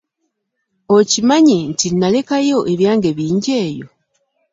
Okimanyi nti nalekayo ebyange bingi eyo?